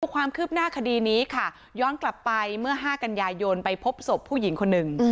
ความคืบหน้าคดีนี้ค่ะย้อนกลับไปเมื่อ๕กันยายนไปพบศพผู้หญิงคนหนึ่ง